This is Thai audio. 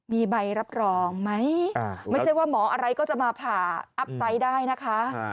มีใบรับรองไหมไม่ใช่ว่าหมออะไรก็จะมาผ่าอัพไซต์ได้นะคะ